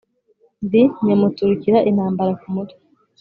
ndi nyamuturukira intambara ku mutwe